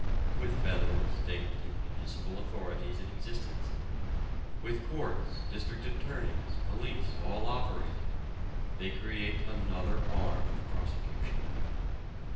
With federal, state, and municipal authorities in existence, with courts, district attorneys, police all operating, they create another arm of prosecution.